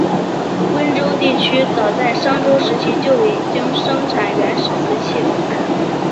温州地区早在商周时期就已经生产原始瓷器。